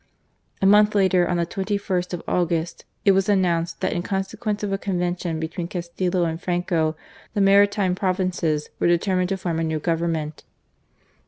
A month later, on the 2 1st of August, it was announced that in conse (juence of a convention between Castilla and Franco, the maritime provinces were determined to form a new Government.